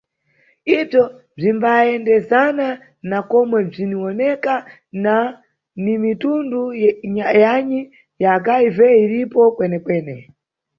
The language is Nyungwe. Ibzwo bzwimbayendezana na komwe bzwiniwoneka na ni mitundu yanyi ya HIV iripo kwenekwene.